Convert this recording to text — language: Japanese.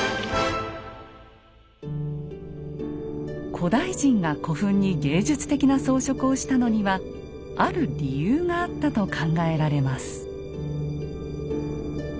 古代人が古墳に芸術的な装飾をしたのにはある理由があったと考えられます。